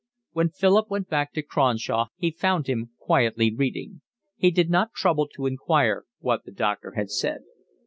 When Philip went back to Cronshaw he found him quietly reading. He did not trouble to inquire what the doctor had said.